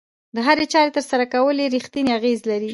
د هرې چارې ترسره کول يې رېښتینی اغېز لري.